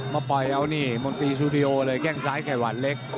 มาปล่อยเอานี่มนตรีสตูดิโอเลยแข้งซ้ายไข่หวานเล็ก